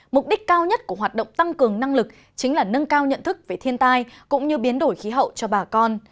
mô hình chuyển đổi sinh kế hiệu quả hơn